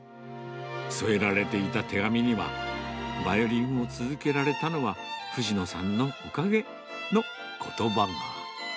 添えられていた手紙には、バイオリンを続けられたのは、藤野さんのおかげのことばが。